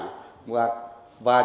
và những điểm xả thải